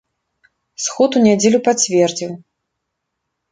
Сход у нядзелю пацвердзіў.